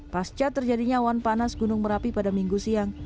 pasca terjadinya awan panas gunung merapi pada minggu siang